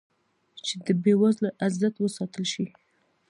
چې د بې وزله عزت وساتل شي.